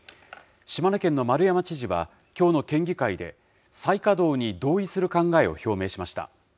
島根県の丸山知事は、きょうの県議会で、再稼働に同意する考えを表明しました。